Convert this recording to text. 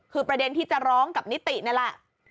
คือประเด็นที่จะร้องกับนิตินี่แหละ